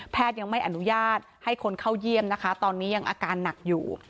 ยังไม่อนุญาตให้คนเข้าเยี่ยมนะคะตอนนี้ยังอาการหนักอยู่